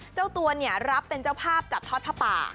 เจ้าตัวเนี่ยรับเป็นเจ้าภาพจัดทอดผ้าป่า